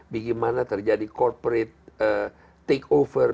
bagaimana terjadi corporate take over